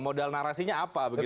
modal narasinya apa begitu